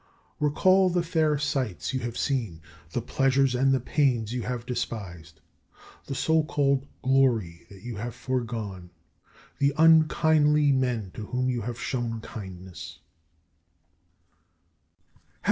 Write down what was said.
Recall the fair sights you have seen, the pleasures and the pains you have despised, the so called glory that you have foregone, the unkindly men to whom you have shown kindness.